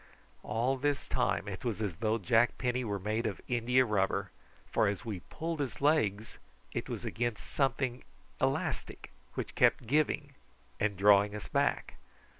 All this time it was as though Jack Penny were made of india rubber, for as we pulled his legs it was against something elastic, which kept giving and drawing us back.